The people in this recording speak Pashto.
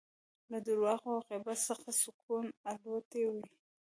له درواغو او غیبت څخه سکون الوتی وي